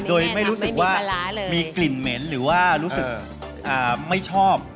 โดยไม่รู้สึกว่ามีกลิ่นเหม็นหรือว่ารู้สึกไม่ชอบ